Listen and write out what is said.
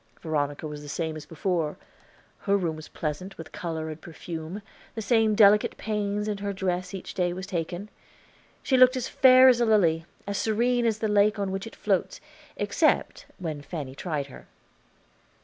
Veronica was the same as before; her room was pleasant with color and perfume, the same delicate pains with her dress each day was taken. She looked as fair as a lily, as serene as the lake on which it floats, except when Fanny tried her.